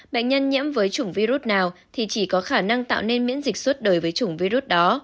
bệnh nhân nhiễm với chủng virus nào thì chỉ có khả năng tạo nên miễn dịch suốt đời với chủng virus đó